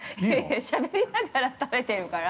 ◆しゃべりながら食べてるから。